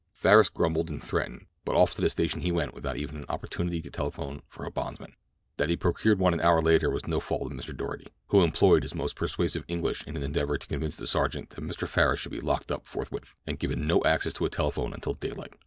Farris grumbled and threatened, but off to the station he went without even an opportunity to telephone for a bondsman. That he procured one an hour later was no fault of Mr. Doarty, who employed his most persuasive English in an endeavor to convince the sergeant that Mr. Farris should be locked up forthwith, and given no access to a telephone until daylight.